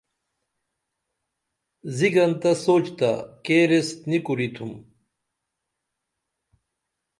زیگن تہ سوچ تہ کیر ایس نی کُریتُھم